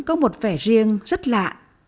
có một vẻ riêng rất lạ